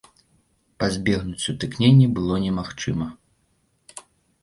Пазбегнуць сутыкнення было немагчыма.